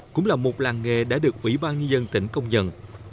cũng là một làng nghề đã được ủy ban nhân dân tỉnh công nhận